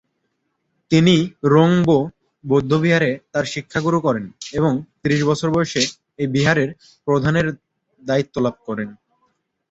তিনি রোং-বো বৌদ্ধবিহারে তার শিক্ষা শুরু করেন এবং ত্রিশ বছর বয়সে এই বিহারের প্রধানের দায়িত্ব লাভ করেন।